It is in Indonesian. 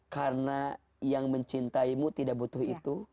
karena yang mencintaimu tidak butuh itu